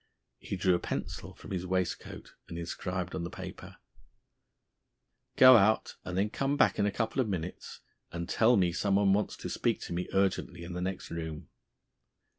He drew a pencil from his waistcoat and inscribed on the paper: "Go out, and then come back in a couple of minutes and tell me someone wants to speak to me urgently in the next room."